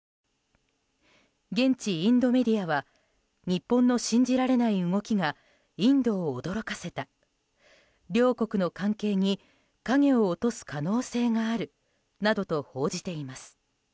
現地インドメディアは日本の信じられない動きがインドを驚かせた両国の関係に影を落とす可能性があるなどと報じています。